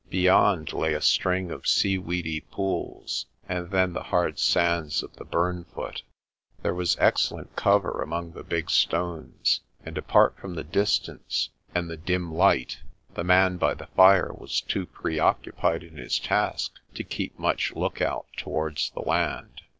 Beyond lay a string of seaweedy pools and then the hard sands of the burnfoot. There was excel lent cover among the big stones, and apart from the distance and the dim light, the man by the fire was too preoccupied in his task to keep much look out towards the land.